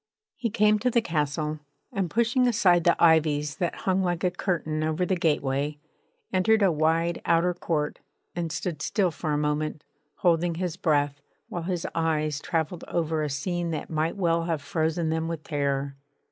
He came to the castle, and pushing aside the ivies that hung like a curtain over the gateway, entered a wide outer court and stood still for a moment, holding his breath, while his eyes travelled over a scene that might well have frozen them with terror.